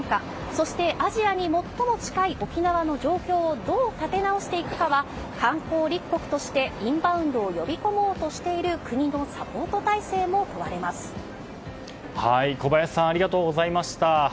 そして、アジアに最も近い沖縄の状況をどう立て直していくかは観光立国としてインバウンドを呼び込もうとしている国の小林さんありがとうございました。